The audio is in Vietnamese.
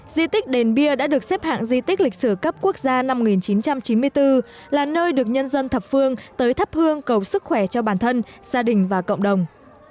di tích đền bia đã được xếp hạng di tích lịch sử cấp quốc gia năm một nghìn chín trăm chín mươi bốn là nơi được nhân dân thập phương tới thắp hương cầu sức khỏe cho bản thân gia đình và cộng đồng